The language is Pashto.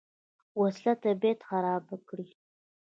وسله طبیعت خرابه کړي